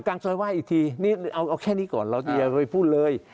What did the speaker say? กลางซอยไว้อีกทีเอาแค่นี้ก่อนอย่าไปพูดเลย